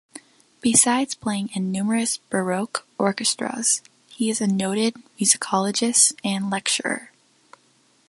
Besides playing in numerous baroque orchestras, he is a noted musicologist and lecturer.